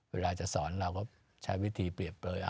เวลาจะสอนเราก็ใช้วิธีเปรียบเปลย